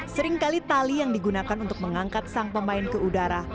seringkali tali yang digunakan untuk mengangkat sang pemain ke udara